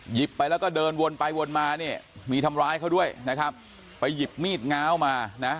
ไปแล้วก็เดินวนไปวนมาเนี่ยมีทำร้ายเขาด้วยนะครับไปหยิบมีดง้าวมานะ